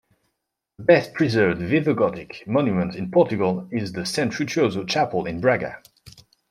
The best preserved Visigothic monument in Portugal is the Saint Frutuoso Chapel in Braga.